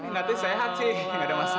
nanti sehat sih gak ada masalah